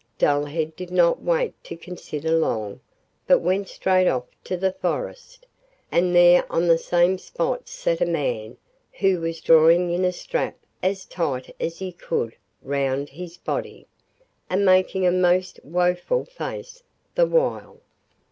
Dullhead did not wait to consider long but went straight off to the forest, and there on the same spot sat a man who was drawing in a strap as tight as he could round his body, and making a most woeful face the while.